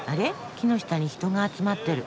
木の下に人が集まってる。